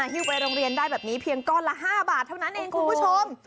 ฮิ้วไปโรงเรียนได้แบบนี้เพียงก้อนละ๕บาทเท่านั้นเองคุณผู้ชม